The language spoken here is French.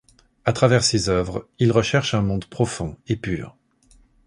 À travers ses œuvres, il recherche un monde profond et pur.